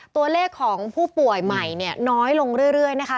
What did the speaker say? ตัวเลขของผู้ป่วยใหม่เนี่ยน้อยลงเรื่อยนะคะ